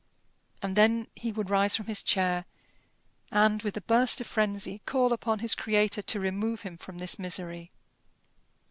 And then he would rise from his chair, and, with a burst of frenzy, call upon his Creator to remove him from this misery.